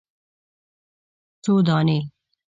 _څو دانې ؟